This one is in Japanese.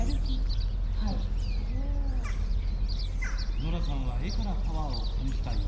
ノラさんは絵からパワーを感じた様子。